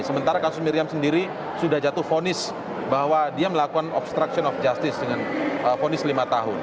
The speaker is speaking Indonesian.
sementara kasus miriam sendiri sudah jatuh fonis bahwa dia melakukan obstruction of justice dengan fonis lima tahun